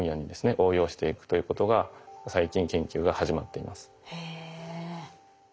応用していくということが最近研究が始まっています。